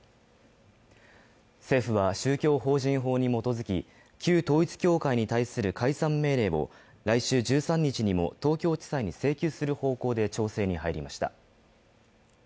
政府は宗教法人法に基づき旧統一教会に対する解散命令を来週１３日にも東京地裁に請求する方向で調整に入りました。